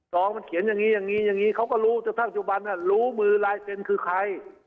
สองมันเขียนอย่างนี้อย่างนี้เขาก็รู้จนทั้งจุบันรู้มือลายเซ็นต์คือใคร